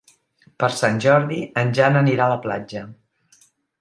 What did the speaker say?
Per Sant Jordi en Jan anirà a la platja.